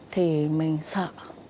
thì mình sợ